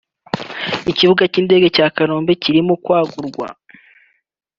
ikibuga cy’ingege cya Kanombe kirimo kwagurwa